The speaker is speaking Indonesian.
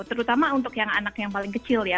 terutama untuk yang anak yang paling kecil ya